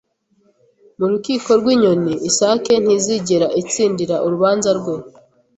Mu rukiko rw’inyoni, isake ntizigera itsindira urubanza rwe.